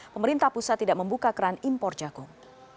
pemerintah pusat tidak membuka keran impor jagung